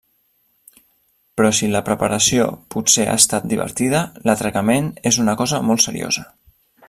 Però si la preparació potser ha estat divertida, l'atracament és una cosa molt seriosa.